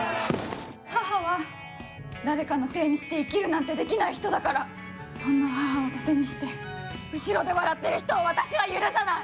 母は誰かのせいにして生きるなんてできない人だから、そんな母をたてにして、後ろで笑ってる人を私は許さない！